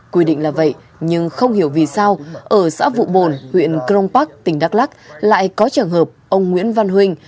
quy định là vậy nhưng không hiểu vì sao ở xã vụ bồn huyện crong park tỉnh đắk lắc lại có trường hợp ông nguyễn văn huỳnh